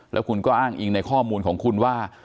แล้วคุณก็อ้างอิงในข้อมูลของคุณว่า